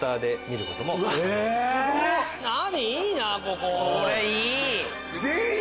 これいい。